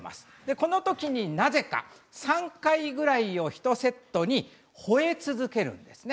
このときになぜか３回くらいを１セットにほえ続けるんですね。